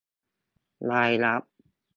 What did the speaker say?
รายรับ